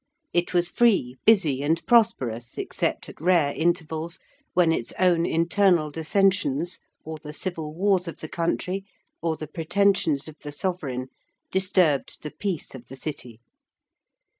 It was free, busy and prosperous, except at rare intervals, when its own internal dissensions, or the civil wars of the country, or the pretensions of the Sovereign, disturbed the peace of the City.